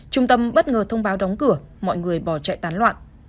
trung tâm bất ngờ thông báo đóng cửa mọi người bỏ chạy tán loạn